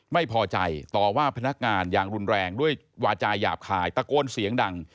ไม่พอใจต่อว่าพนักงานอย่างรุนแรงด้วยวาจาหยาบคายตะโกนเสียงดัง